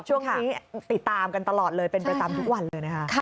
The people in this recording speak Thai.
ช่วงนี้ติดตามกันตลอดเลยเป็นประจำทุกวันเลยนะคะ